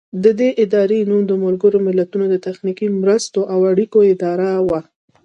د دې ادارې نوم د ملګرو ملتونو د تخنیکي مرستو او اړیکو اداره و.